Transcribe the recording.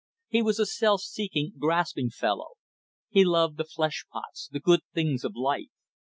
He was a self seeking, grasping fellow. He loved the flesh pots, the good things of life.